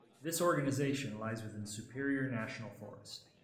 This organization lies within Superior National Forest.